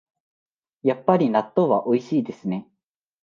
やっぱり納豆はおいしいですね